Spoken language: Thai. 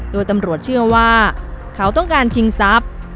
โดยตำรวจเชื่อว่าเขาต้องการชิงทรัพย์